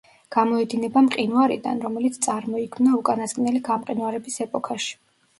გამოედინება მყინვარიდან, რომელიც წარმოიქმნა უკანასკნელი გამყინვარების ეპოქაში.